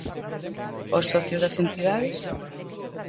Os socios das entidades?